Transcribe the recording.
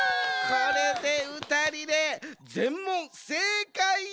これで「歌リレー」ぜんもんせいかいや！